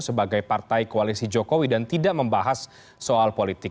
sebagai partai koalisi jokowi dan tidak membahas soal politik